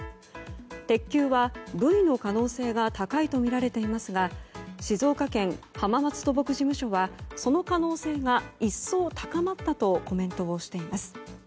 鉄球はブイの可能性が高いとみられていますが静岡県浜松土木事務所はその可能性が一層高まったとコメントをしています。